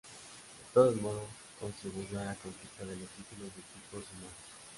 De todos modos, contribuyó a la conquista de los títulos de equipos y marcas.